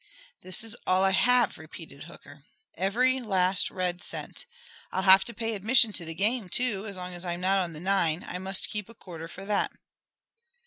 "This is all I have," repeated Hooker, "every last red cent. I'll have to pay admission to the game, too, as long as I'm not on the nine. I must keep a quarter for that."